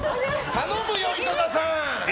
頼むよ、井戸田さん！